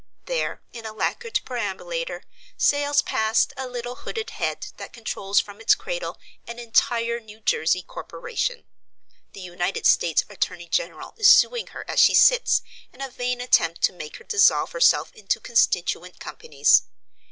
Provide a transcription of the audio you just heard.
There, in a lacquered perambulator, sails past a little hooded head that controls from its cradle an entire New Jersey corporation. The United States attorney general is suing her as she sits, in a vain attempt to make her dissolve herself into constituent companies.